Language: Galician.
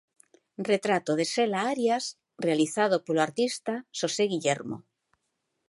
Retrato de Xela Arias realizado polo artista Xosé Guillermo.